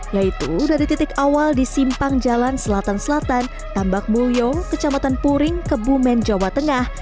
yaitu dari titik awal di simpang jalan selatan selatan tambak mulyo kecamatan puring kebumen jawa tengah